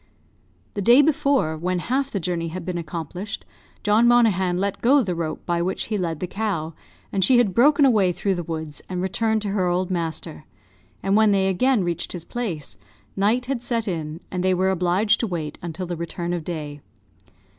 The day before, when half the journey had been accomplished, John Monaghan let go the rope by which he led the cow, and she had broken away through the woods, and returned to her old master; and when they again reached his place, night had set in, and they were obliged to wait until the return of day.